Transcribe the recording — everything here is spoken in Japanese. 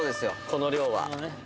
「この量は」